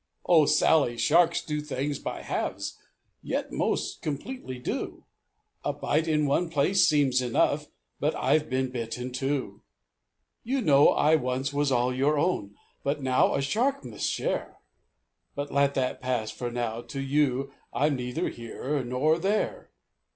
"Oh! Sally, sharks do things by halves, Yet most completely do! A bite in one place soems enough, But I've been bit in two. "You know I once was all your own, But now a shark must share! But let that pass for now, to you I'm neither here nor there."